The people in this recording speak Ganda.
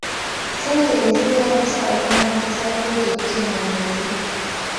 Ssente ezeeetaagisa okumaliriza pulojekiti eno weeziri.